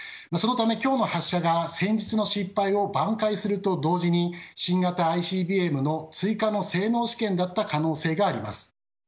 そのため今日の発射が先日の失敗を挽回すると同時に新型ＩＣＢＭの追加の性能試験だった可能性があります。